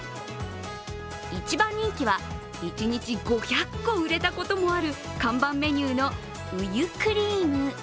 一番人気は一日５００個売れたこともある、看板メニューのウユクリーム。